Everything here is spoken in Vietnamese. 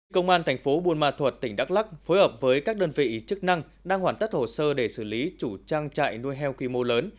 công an thành phố buôn ma thuật tỉnh đắk lắc phối hợp với các đơn vị chức năng đang hoàn tất hồ sơ để xử lý chủ trang trại nuôi heo quy mô lớn